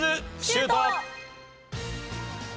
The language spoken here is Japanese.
シュート！